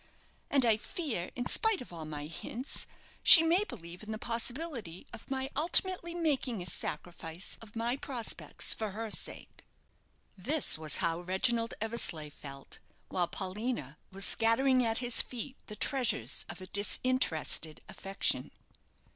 And I fear, in spite of all my hints, she may believe in the possibility of my ultimately making a sacrifice of my prospects For her sake." This was how Reginald Eversleigh felt, while Paulina was scattering at his feet the treasures of a disinterested affection.